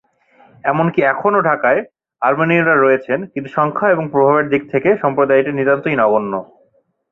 এমনকি এখনও ঢাকায় আর্মেনীয়রা রয়েছেন, কিন্তু সংখ্যা ও প্রভাবের দিক থেকে সম্প্রদায়টি নিতান্তই নগণ্য।